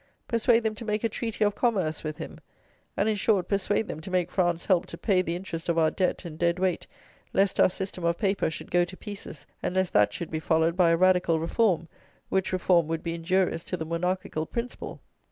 Persuade them to make a treaty of commerce with him; and, in short, persuade them to make France help to pay the interest of our debt and dead weight, lest our system of paper should go to pieces, and lest that should be followed by a radical reform, which reform would be injurious to "the monarchical principle!"